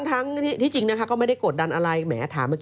พร้อมจะมีคลอปครัวบวชก็จะหมายมาก